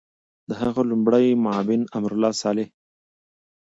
د هغه لومړی معاون امرالله صالح